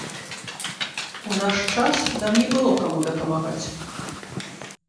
У наш час нам не было каму дапамагаць.